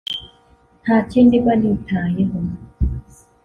nta kindi mba nitayeho